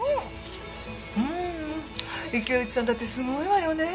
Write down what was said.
うん池内さんだってすごいわよね。